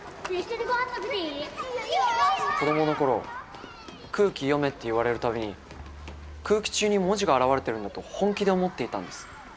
子供の頃空気読めって言われる度に空気中に文字が現れてるんだと本気で思っていたんです。